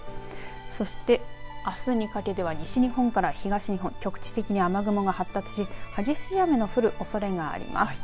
そして、あすにかけては西日本から東日本、局地的に雨雲が発達し激しい雨の降るおそれがあります。